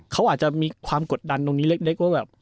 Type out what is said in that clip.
เขาอาจจะมีความกดดันตรงนี้เล็กว่าแบบ